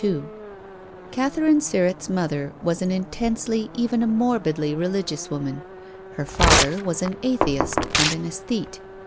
•••••• Catherine Sirrett's mother was an intensely, even a morbidly, religious woman. Her father was»an atheist and an aesthete.